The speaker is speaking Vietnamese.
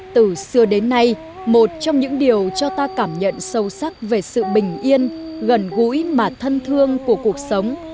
từ xưa đến nay một trong những điều cho ta cảm nhận sâu sắc về sự bình yên gần gũi mà thân thương của cuộc sống